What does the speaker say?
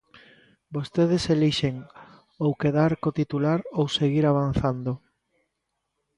Vostedes elixen: ou quedar co titular ou seguir avanzando.